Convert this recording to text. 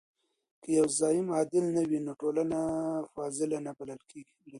که يو زعيم عادل نه وي نو ټولنه فاضله نه بلل کيږي.